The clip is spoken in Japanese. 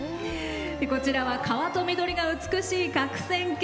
こちらは川と緑が美しい鶴仙渓。